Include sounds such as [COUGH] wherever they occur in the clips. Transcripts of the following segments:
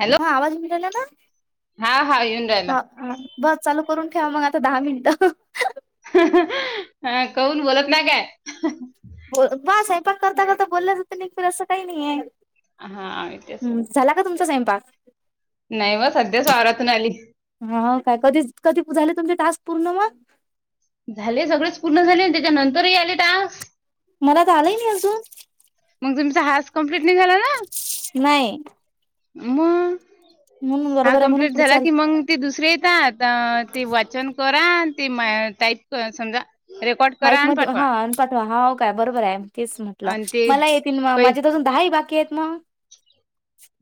Hello हा आवाज मिलाला ना. हा हा येऊन राहिला. हा बस चालू करून ठेवा मग आता दहा मिनिटं. हा हा कौून बोलत ना काय. ब ब साहे पण करता करता बोललंच होतं न फिर असं काही नाही आहे [UNINTELLIGIBLE] हा इ ते अस [UNINTELLIGIBLE] का तुमचा स्वंपाक. नाही सध्याच वारातून आली. हा काय कधी कधी झाले तुमचे टास्क पूर्ण मग. झाले सगळेच पूर्ण झाले त्याच्या नंतरही आलेत टास्क. मला तर आलंय नाही अजून. मग तुमचा हास कम्प्लीट नाही झाला. ना नाही. मग म्हणून हा बरोबर आहे म्हणून कम्प्लीट पुढे झाला चाल. की मग. ते दुसरे येतात ते वाचन करा ते मै टाईप समजा. रेकॉर्ड करा माईक म आणि पाठवा हा आणि पाठवा हा काय बरोबर आहे तेच म्हटलं आणि ते मला येतील म पै माझ्या अजून. दहाही बाकी आहेत मग.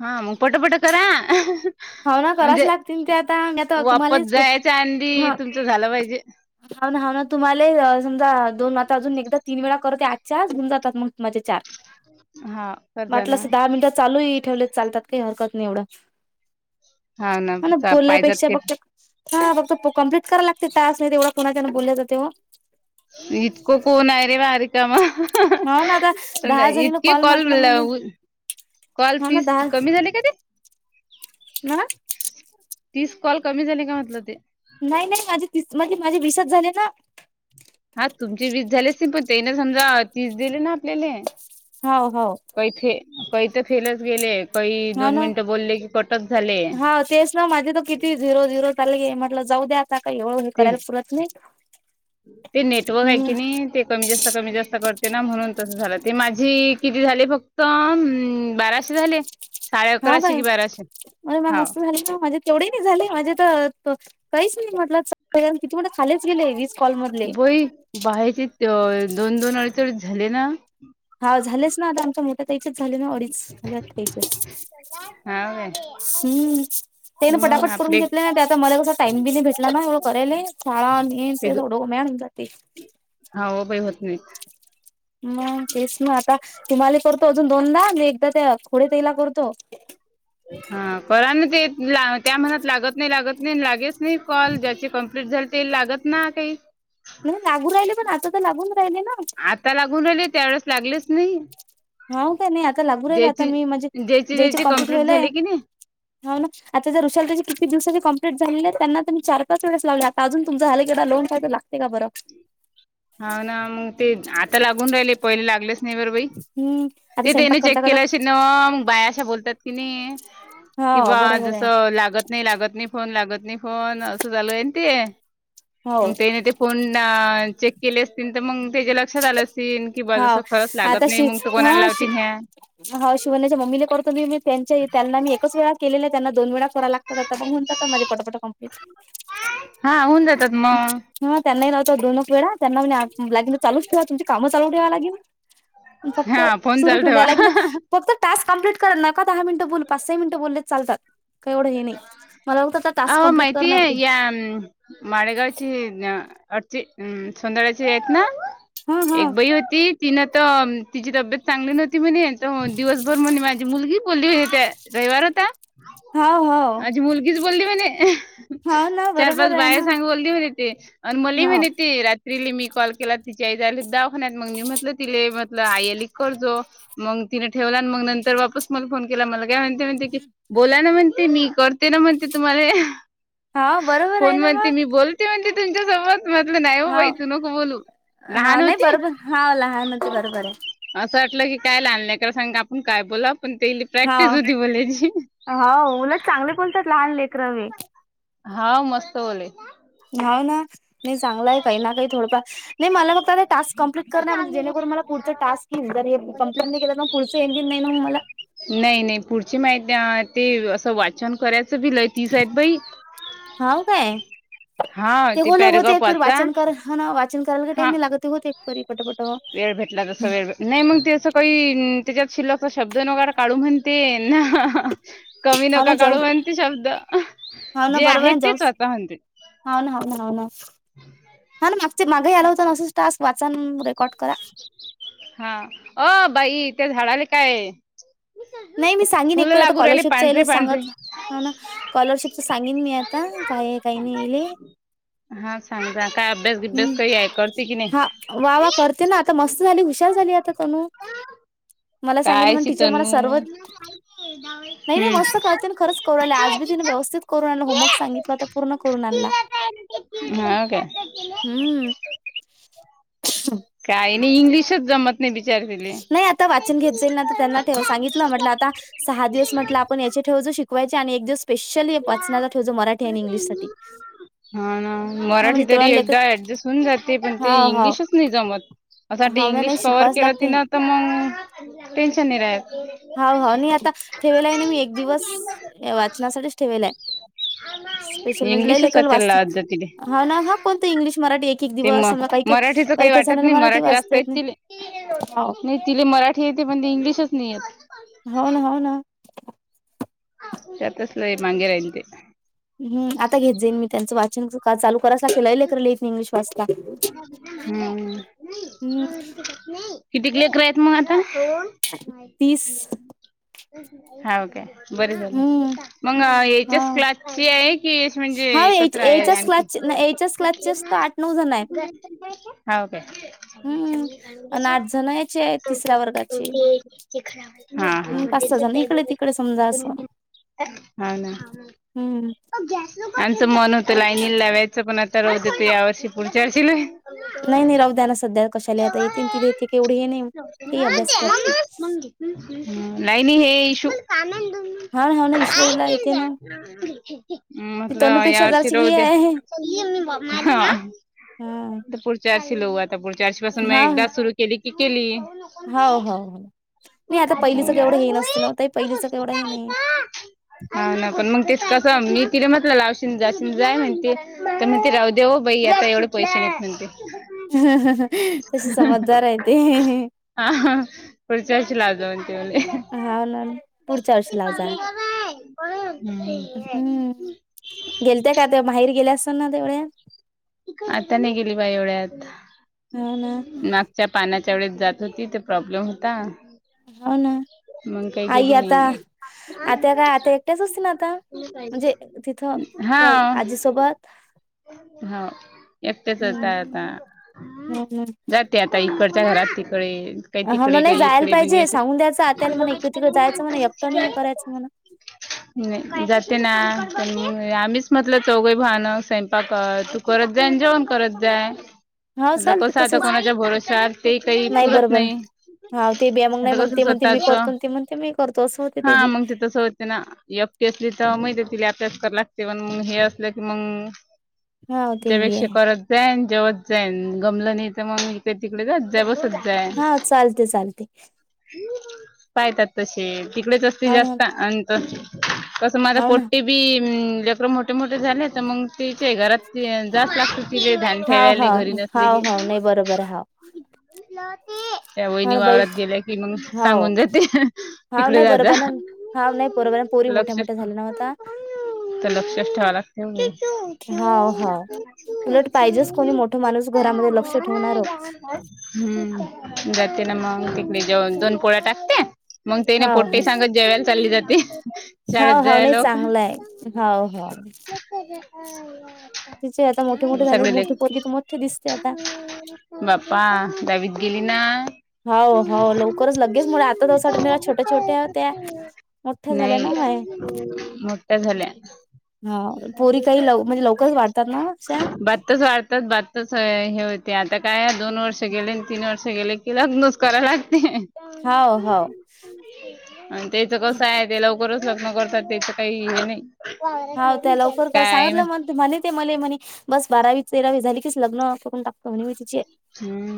हा मग पट पट करा. होा ना कराच म्हणजे लागतील ते आता मी आता वापस तुम्हालाच जायच्या आधी ह तुमचं झालं पाहिजे हा ना हा ना तुम्हाला समजा दोन आता अजून एकदा तीन वेळा करतते आजच्याच घऊन जातात मग तुमचे चार ह [INAUDIBLE] वाटलं अस दहा मिनटं चालूही ठेवलेत चालतात काही हरकत नाही एवढं. हा ना मला चा- पाहिजात बोलण्यापेक्षा ते फक्त हा फक्त कंप्लीट कराय लाते टास्क नाही तेवढ कोणाच्याना बोलल्या जातेव. इतकं कोण आहे रे बाारी ना आता दहा जणीला इतके कॉल म्हटलं म्हणजे कॉल तीस कमी झाली का ते. ह. तीच कॉल कमी झाली का म्हटलं ते. नाही नाही माझे त म्हणजे माझे विसच झाले ना. हा तुमचे वीस झालेच नाही पण ते ना समजा तीस दिले ना आपल्याले. हो हो. कैथे काही तर फेलच गेले. काही हो दोन ना मिनिटं बोलले की कटच झाले. हा तेच ना माझे त किती झिरो झिरो चाल म्हट जाऊ द्या आता का एवढं हे ते करायला पुरत नाही. [INAUDIBLE] ते नेटवर्क आहे हम्म की नाही. ते कमी जास्त कमी जास्त करते ना म्हणून तसं झालं ते माझी किती झाले फक्त बाराशे. झाले. साडे हा अकराशे काय कि बाराशे मर मा हाव मस्त झाली मजे तेवढे नाही झाले माझे तर काहीच नाही म्हटलं स कितीठ खालीच गेले वीस कॉल मधले. बई बाहेरचे दोन दोन अडीच अडीच झाले ना. हा झालेच ना आता आमच्या मोठ्या ताईचे झाले ना अडीच झाल्यात हा काय हम्म. तेने मग पटापट करून आपले घेतले नाही ते आता मला कसा टाइम बी नाही भेटला ना एवढं करायल शाळा आणि. ते थोड मॅड होऊन जाती हा हो बाई होत नाहीत. मग तेच ना आता तुम्हाला करतो अजून दोनदा मी एकदा त्या खोडे तेईला करतो. हा करा ना ते ला त्या म्हनत त लागत नाही लागत नाही लागेच नाही कॉल ज्याची कम्प्लीट झाली ते लागत ना काही नाही लागू राहिले पण आता तर लागून राहिले ना. आता लागून राहिले त्यावेेळेस लागलेच नाही. हो का नाही आता लागू राहिल आता ज्याची मी म्हणजे ज्याची द्यायच ज्याची कम्प्लीट कंप्लीट व्हालय झाली की नाही हो ना. आता जर उुशल त्याची किती दिवसाची कं्प्ली झाली आहे त्यांना तर म् चार पाचेळेस लावले आताजून तुमं झालं क लोन पाला ते का बरं. हा ना मग ते आता लागून राहिले पहिले लागलेच नाही बर बाई हम्म आता ते त्याने स्वयंपाक करता चेक करता केल्याश न मग बाया अशा बोलतात की नाही. किंवा हा बा बरोबर जस आहे लागत. नाही लागत नाही फोन लागत नाही फोन असं चालू आहेन ते हो. मग ते नाही ते फोन चेक केले असतील तर मग त्याच्याला लक्षात आलं सल की बाजस हाव खरंच लागत आता नाही शि मग तो कोणाला लावतील ह्या हा शिवने्याच्या मम्मीने करतो मी मी त्यां त्यांना मी एकच वेळा केलेल्या त्यांना दोन वेळा लागतातन जातात माझे पटापट क हा होऊन जातात मग ह त्यांनाही लावतो दोनच वेळा त्यांनागे चालूच. ते्हा तुमची काम चालून ठेवा लागेल फक्त हा फोन सुर चालू ठेवून द्या ठेवा लागेल फक्त टाक कमप्लीट नका दहा मिनट बोलू पाच सहा मिनट बोललेतरी चालतात. का एवढं हे नाही मला बघत टाक कम्प्लीट करणार. हम्म. माळेगावची अरची सुंदरा्याची आहेत ना. हा हा एक बाई होती तिनं तर तिची तब्येत. चांगली नव्हती म्हणे दिवसभर म्हणे माझी मुलगी बोलली हो त्या रविवार होता. हा हा. आजी मुलगीच बोलली म्ह. हाव ना चार बरोबर पाच आहे बाहे ना सांगवली होन येते आणि मल हाव होन येते तिली मी कॉल केला तिच्या आई जाली दाखनत मग म म्हटलं तिले म्हटलं आईली करजो. मग तिने ठेवला आणि मग नंतर वापस. मला फोन केला मला काय म्हणते म्हणते की बोला ना म्हणते मी करते ना म्हणते तुम्हाला. हाव बरोबर आहे होण ना म्हणते मग मी बोलते म्हणते तुमच्यासवर म्हटलं नाही हो बाई हाव तू नको बोलू हाव लहान नाही होती. बरोबर हाव लहान होते बरोबर आहे असं वाटलं की काय लाानलंयक सांग आपण काय बोला पण तेली प्रॅक्टिस होती हाव बोलायची. हो उलट चांगले बोलतात लहान लेख रवे. हा मस्त ब नाव ना नाही चांगला आहे काही ना काही थडंफ नाही मला मग आ टास् कंप्लीट करणार म्हणे जेणेकरून मला पुढचं टाक घल ज हे कंप्ट नाही केलं तरग पुढचंजन नाही मग मला. नाही नाही पुढची माहिती ते असं वाचन करायचं भिलय तीच आहेत बाई. ह काय? हा ते होले होते पॅरेग्राफ एक परी वाचा वाचन कर ह वाचन करायला का टाइम हा मी लागत ते होते एक तरी. वेळ भेटला तस वेळ. नाही मग ते असं काही त्याच्यात शिलाचा शब्द नगैरे काढू म्हणते ना. कमी हा ना नका जाऊ काढू म्हणते शब्द जे आहेत ते स्वतः म्हणते. होननव ना. हम्. ह ना मागचे मागेही आला होत नसं टास्क वाचान रेकॉर्ड करा. हा अ बाई त्या झाडाला काय. ह हा. नाही मी सांगेन एक प आता कॉलरशिपचंईलच सांगतला. होा ना स्कॉलरशिपच सांगेन मी आता काय काही नाहीले. हां सांगा काय? अभ्यास गिभ्यास हम्म काही आहे करते की नाही? हा वा वा करते ना आता मस्त झाली हुशार झाली आता तणू. मला सांगित काय म टीचर मला सीतनू सर्व नाही हम्म. मस्त क. खरच कर आजी ति व्यवस्थित करून आण होमवर्क सांगितलंता पूर्ण करून आणला. हा का. हम्म. [UNINTELLIGIBLE] काही नाही इंग्लिशच जमत. नाही विचार. नाही आता वाचन घेत जाईल ना तर त्यांना ठेव सांगितलं म्हटलं आता. सहा दिवस म्हटलं आपण याचे ठेव जा शिकवायचे आणि एक दिवस. स्पेशल वाचनाचा ठेव जो मराठी आणि इंग्लिश साठी [UNINTELLIGIBLE] हा ना हा मराठी म्हणजे तेवढा तरी लेख एकदा ऍडजस्ट. जाते पण ते हाव हाव इंग्लिशच नाही जमत अस हाव ना नाही इंग्लिश कव्हवर शिकवाच केलं ती लागते ना. तर मग टेन्शन नाही राहत. हा हा नाही आता ठेवेला आहे ना मी एक दिवस वाचनासाठीच ठेवेलाय. स्पेशल म्हणजे इंग्लिशच लयलेखल वाचायला वाचत लावत जा तिले. हा ना हा कोणत इंग्लिश मराठी एक. एक ते दिवस म समजा काही काही मराठीच काही वाटत जणाला नाही मराठी वाचता येत वाचतायेत नाही ति. हो तिले मराठी येते पण ते इंग्लिशच नाहीय. हो ना हो ना. सतसल मंगेरय ते. हम् आता घेत जाईन मी त्यांचं वाचन चालू करायं केलंला लेकरला इंग्लिश वाचता. हम्म हम् किती लेकरं आहेत मग आता? तीस हाव काय! बर झालं हम्म मग हा याच्याच क्लासची आहे की आस म्हणजे हा एकत्र आहे याच्याच आणखी. नऊजण आहे. हाव काय! हम्म आणि आठ जण याचे आहेत तिसऱ्या वर्गाचे [UNINTELLIGIBLE] हम्म पाच सहा जण इकडे तिकडे समजा असं हा हा हा ना! हम्म आमचं मन होतं लानीला लावायचं पण आता राहुदेत या वर्षी पुढच्या वर्षीला लाव. नाही नाही राहुंद्याना सध्या कशाला आता येते तिला येतेन केवढे हे नाही हे अभ्यास करते. नाही नाही हे इशू हा ना हा ना ईश्वरीला येते ना ती म्हटलं या तनूपेक्षा वर्षी जराशी राहू हे द्या. आहे. हा! पुढच्या वर्षी लाऊ आता पुढच्या वर्षी पासून मग एकदा सुरु केली की केली. हो हो नाही आता पहिलीचं केवढं हे नसते नव्ह तई पहिलीचं केवढं हे नाही. हा ना पण मग तेच कसं मी तिथे म्हटलं लावशन जाशन जाय म्हणती. तर म्हणती राहूदे हो बाई आता एवढे पैसे नाही म्हणते. तशी समजदार आहे ते. हा हा पुढच्याशी लावते म्हणे. हाव ना पुढच्या वर्षी लाव जा. हम्म! गेलत्या का ते माहेरी गेलत्या असन ना तेवढया? आता नाही गेली बाई एवढ्यात हो ना च्या पाण्याच्या वेळेत जात होती ते प्रॉब्लेम होता. हो ना मग काही आई गेली आता, नाही आत्या काय आत्या एकट्याच असतील आता? म्हणजे तिथं त्या हा आजीसोबत. हो एकटेच आहेत हम्म आता. हो ना. जाते आता इकडच्या घरात तिकडे काही हो ना तिकडे नाही काही जायला इकडे म्हणजे पाहिजे सांगून द्यायचं आत्याला म्हणा अस इकडे तिकडे जायचं म्हणा एकटं नाही हे करायचं म्हणा. नाही जाते ना पण आम्हीच म्हटलं चौघई बाईन सेम तू करत जाई जेवण करत जाई. हाव म्हणलं चालते कसं आता तसेच कोणाच्या भरोश्यावर ते काही पुरत नाही. हाव ते बी आहे मग नाही आता मग कस ते म्हणते मी करतो स्वतःचं, आणि ते म्हणते मी करतो असं होते हा बी मग ते तस होते ना. ती असली तर माहिताय तिला अभ्यास कराय लागते पण मग हे असलं की मग हाव ते बी त्यापेक्षा आहे. करत जाईन जेवत जाईन गमलं नाही तर मग तिकडे जात जय इकडे तिकडे बसत जाय हा चालतंय चालतंय. पाहतात तसे तिकडेच तसे हाव ना जास्त तसं माझ्या हाव ना पोट्टी बी लेकर मोठे मोठे झाले तर मग तिचे घरात जास्त लागत तिचे ध्यान हाव ठेवायला हाव घरी नसले हाव की हाव नाही बरोबर हाव त्या हाव वहिनी हां, बाई वावरात गेल्या की मग हाव सांगून जाते. हाव नाही जा जा बरोबर हाव नाही बरोबर पोरी मोठ्या लक्षच मोठ्या झाल्या नव्ह आता. तर लक्षच ठेवाय लागते ओ! हाव हाव, उलट पाहिजेच कोणी मोठ माणूस घरामध्ये लक्ष ठेवणार. हम्म जाते ना मग तिकडे जेवण दोन पोळा टाकते मग तेने हाव पोट्टी हाव सांगत जेवायला चालली जाते हाव शाळेत हाव जाय नाही लोक चांगलं आहे हाव हाव. [UNINTELLIGIBLE] तिचे आता मोठे मोठे झाले सगळे लेक मोठी पोगी तुम ते दिसते आता. बाप्पा दहावीत गेली ना! हो हो लवकरच लगेच मोठ्या आता छोट्या छोट्या होत्या. मोठ्या झाल्या ना नाही माया मोठ्या झाल्या. हा पोरी काही लव म्हणजे लवकरच वाढतात ना वो अश्मा. बातच वाढतात बात [UNINTELLIGIBLE] तस हे होते आता काय दोन वर्ष गेले. आणि तीन वर्ष गेले की लग्नोज कराय लागते. हाव हाव [UNINTELLIGIBLE] आणि त्याच कस आहेत ते लवकरच लग्न करतात त्याच काही हे नाही. हाव त्या [UNINTELLIGIBLE] लवकर सांगितलं म म्हणे ते मले म्हणे बस बारावी, तेरावी झाली की लग्नच करून टाकतं म्हणे मी तिचे. हम्म.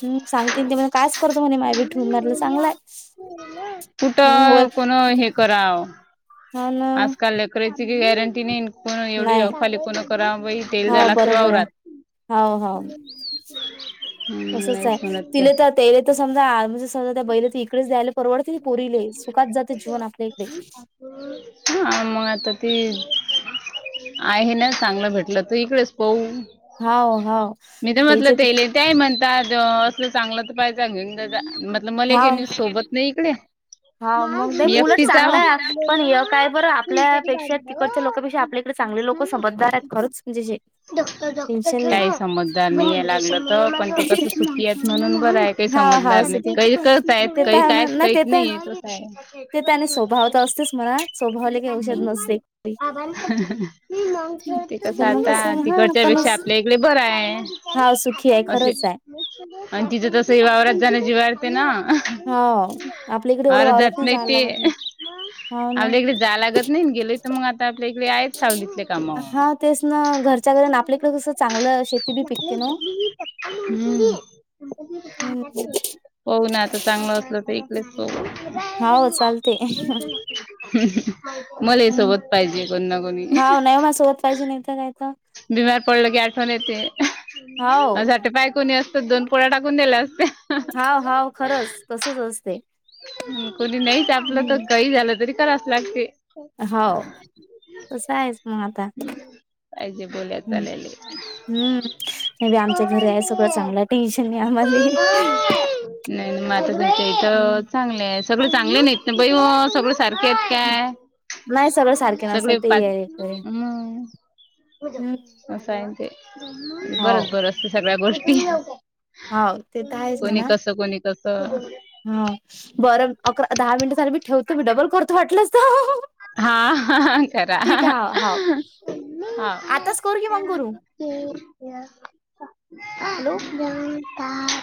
हम्म सांगते ते म कायच करतो म्हणे माय विठू म्हणतलय चांगलाय. [UNINTELLIGIBLE] कुठं कोण हे कराव हा न. आजकाल करेची गी गॅरंटी नाही. कोण एवढी र नाही खाली कोणा करा बाई तेल हाव झाला कि बरोबर आहे वावरात. हाव हाव हम्म, तसंच आहे नाहीच म्हणत त्या तिला तर त्येला तर समजा आज म्हणजे समजा त्या बैले त इकडेच दयल. परवडती पोरीले सुखात जाते जीवन आपल्याकडे. आ मंग त ती [UNINTELLIGIBLE] [UNINTELLIGIBLE] आहे ना, चांगलं भेटलं तर इकडेच पाहू. हाव हाव मी हेचे तरम्हटलं ते तेले त्याही म्हणतात ज असं चांगलं तर पाहिजे [UNINTELLIGIBLE] घेऊन मतल मला हाव गे सोबत नाही इकडे. हा मग दे मी उलट एकटीच आहो. चांगलं पण काय बर आपल्यापेक्षा तिकडच्या लोकपेक्षा आपल्ये तिकडे चांगले लोक समजदार आहेत खरंच म्हणजेे अशे [UNINTELLIGIBLE] डड काही समजदार नाहीय लागलं त पण ते कसं सुखी आहेत म्हणून बरंय हाय. काही हा हा समजणार सुके नाही, काही करत ते आहेत तर काही आहे काय ना नाही काही ते तर नाहीेत काय? ते त्याने स्वभाव तर असतेच म्हणा स्वभावले काही औषध नसते. [UNINTELLIGIBLE] पण [UNINTELLIGIBLE] ते कस पण मग आता कसं हा तिकडच्या पण पेक्षा आपले इकडे बरं आहे हा सुखी आहे असे. खरंच आहे. आणि तिचं तस वावरात जाण्याची वारते ना, ह आपल्या इकडे एवढं वावरात वावरत जात नाही जायला ते. लागत. हो ना आपल्या इकडे जाय लागत नाही गेलय, तर मग आता आपल्या इकडे आहेच सावलीतल्ये काम. हा तेच ना, घरच्या घरी आपल्याकडे कसं चांगलं शेती बी पिकते नव. हम्म पाहू ना, आता चांगलं असल इकडेच पाहू. हव चालते. मला हे हम्म. सोबत पाहिजे कोण ना कोणी. हाव नाही माझ्यासोबत पाहिजे नाहीत काय त बीमार पडलं की आठवण, येते हाव अस वाटत बाय कोणी असतात दोन पोळ्या टाकून दिलेय असते. हाव हाव खरंच तसच असते. कुणी नाहीच आपलं तर कही झालं तरी करावच लागते. हो तस आहेच मंग आता. पाहिजे बोल्या हम्म चाल्याले. हम्म नाही बईआमच्या घरी आहे सगळं चांगलं टेन्शन आहे आम्हाले. नाही मता त इथ हम्म चांगले आहे सगळे चांगले नाहीत ना, सगळ [UNINTELLIGIBLE] सारखे हेत काय नाही सगळं सारखे नसतात सगळे ते पाच आहे खरे हम्म. हम्म [UNINTELLIGIBLE] आहे ते बरच हाव बर असते सगळ्या गोष्टी हाव ते तर कोणी कस कोणी कस हा बरं अकरा दहा मिनिट, झाली मी ठेवतो मी डबल करतो वाटलंसत. हा हा करा. हाव हा. आताच करू की मग करू [UNINTELLIGIBLE] हॅलो. गता [UNINTELLIGIBLE]